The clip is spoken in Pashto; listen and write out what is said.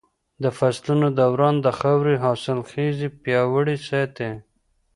د فصلونو دوران د خاورې حاصلخېزي پياوړې ساتي.